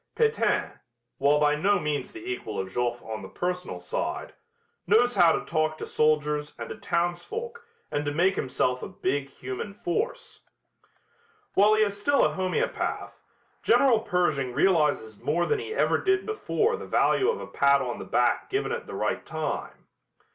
Pétain, while by no means the equal of Joffre on the personal side, knows how to talk to soldiers and to townsfolk and to make himself a big human force. While he is still a homeopath, General Pershing realizes more than he ever did before the value of a pat on the back given at the right time.